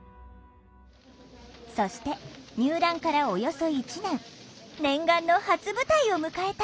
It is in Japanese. そして入団からおよそ１年念願の初舞台を迎えた。